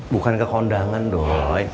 bukan ke kondangan doi